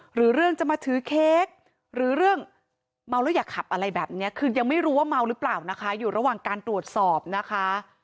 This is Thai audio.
หรือเรื่องจะมาถือเค้กหรือเรื่องเมาแล้วอย่าขับอะไรแบบนี้คือยังไม่รู้ว่าเมาหรือเปล่านะคะอยู่ระหว่างการตรวจสอบนะคะ